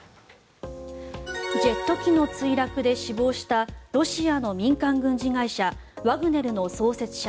ジェット機の墜落で死亡したロシアの民間軍事会社ワグネルの創設者